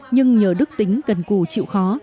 nhưng nhờ đức tính gần cù chịu khó